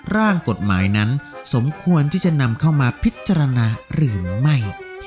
ร่างกฎหมายนั้นสมควรที่จะนำเข้ามาพิจารณาหรือไม่